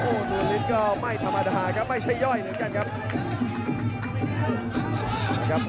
โอ้ตัวลิสต์ก็ไม่ธรรมดาครับไม่ใช่ย่อยเหมือนกันครับ